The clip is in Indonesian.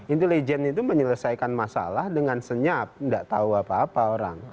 intelijen itu menyelesaikan masalah dengan senyap nggak tahu apa apa orang